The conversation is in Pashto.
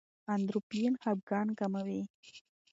اندورفین خپګان کموي.